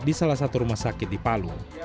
di salah satu rumah sakit di palu